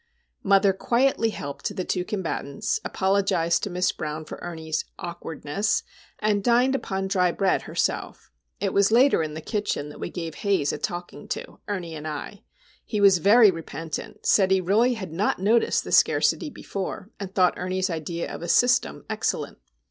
Mother quietly helped the two combatants, apologised to Miss Brown for Ernie's "awkwardness," and dined upon dry bread herself. It was later in the kitchen that we gave Haze a talking to,—Ernie and I. He was very repentant, said he really had not noticed the scarcity before (!), and thought Ernie's idea of a "system" excellent.